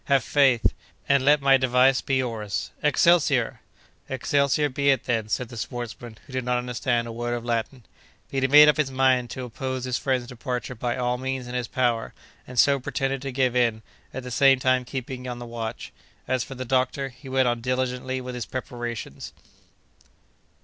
Have faith, and let my device be yours—'Excelsior!'" "'Excelsior' be it then," said the sportsman, who did not understand a word of Latin. But he made up his mind to oppose his friend's departure by all means in his power, and so pretended to give in, at the same time keeping on the watch. As for the doctor, he went on diligently with his preparations.